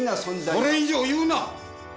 それ以上言うな！